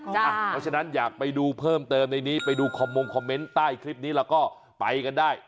เพราะฉะนั้นอยากไปดูเพิ่มเติมในนี้ไปดูคอมมงคอมเมนต์ใต้คลิปนี้แล้วก็ไปกันได้